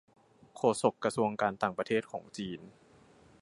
โฆษกกระทรวงการต่างประเทศของจีน